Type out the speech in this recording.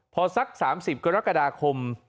พอสัก๓๐กรกฎาคม